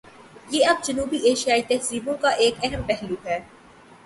یہ اب جنوبی ایشیائی تہذیبوں کا ایک اہم پہلو ہے۔